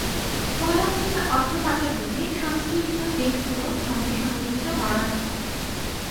বলা হয়েছে অর্থ পাচার রোধে সংশ্লিষ্ট দেশগুলোর সঙ্গে সহযোগিতা বাড়ানোর কথা।